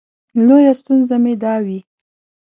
لویه ستونزه مې دا وي.